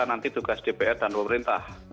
nanti tugas dpr dan pemerintah